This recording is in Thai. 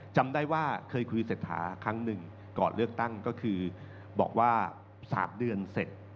จำได้ว่าเคยคุยเศรษฐาครั้งหนึ่งก่อนเลือกตั้งก็คือบอกว่า๓เดือนเสร็จ